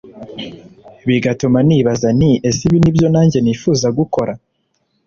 bigatuma nibaza nti ese ibi ni byo nanjye nifuza gukora